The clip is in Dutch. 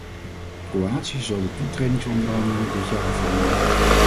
Kroatië zal de toetredingsonderhandelingen dit jaar afronden.